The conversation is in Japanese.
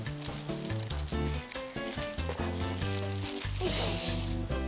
よし。